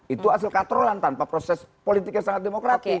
itu hasil katrolan tanpa proses politik yang sangat demokratik